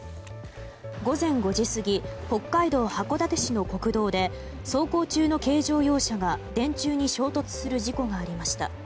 午前５時過ぎ北海道函館市の国道で走行中の軽乗用車が電柱に衝突する事故がありました。